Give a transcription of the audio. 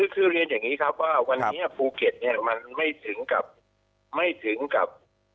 คือเรียนอย่างนี้ครับว่าวันนี้ภูเกตมันไม่ถึงกับ